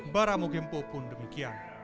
baramu gempo pun demikian